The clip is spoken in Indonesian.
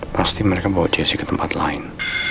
pasti mereka bawa jessi ke tempat lain